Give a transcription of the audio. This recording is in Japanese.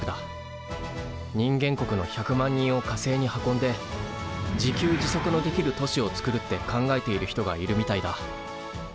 人間国の１００万人を火星に運んで自給自足のできる都市をつくるって考えている人がいるみたいだ。